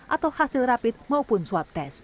atau hasil rapid maupun swab test